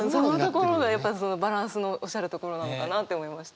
バランスのおっしゃるところなのかなと思いました。